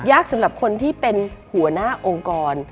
สำหรับคนที่เป็นหัวหน้าองค์กร